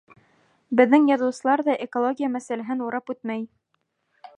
Беҙҙең яҙыусылар ҙа экология мәсьәләһен урап үтмәй.